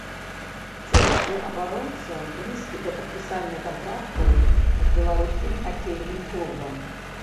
Чэшскі абаронца блізкі да падпісання кантракту з беларускім хакейным клубам.